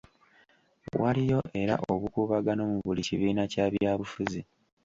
Waliyo era obukuubagano mu buli kibiina kya byabufuzi.